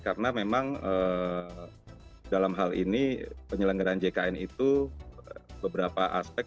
karena memang dalam hal ini penyelenggaraan jkn itu beberapa aspek